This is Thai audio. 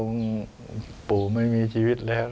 ว่าลุงปู่ไม่มีชีวิตแล้ว